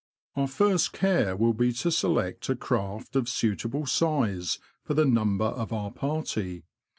Our first care will be to select a craft of suitable size for the number of our party.